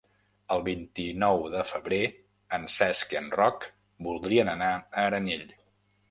El vint-i-nou de febrer en Cesc i en Roc voldrien anar a Aranyel.